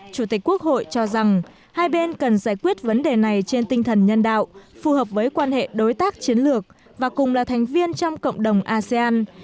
chủ tịch quốc hội cho rằng hai bên cần giải quyết vấn đề này trên tinh thần nhân đạo phù hợp với quan hệ đối tác chiến lược và cùng là thành viên trong cộng đồng asean